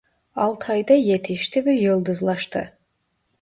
Altay'da yetişti ve yıldızlaştı.